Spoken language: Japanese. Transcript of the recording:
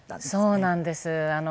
そうなんです。